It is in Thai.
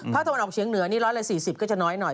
ภาคสัตวรรณออกเชียงเหนือร้อยละ๔๐ก็จะน้อยหน่อย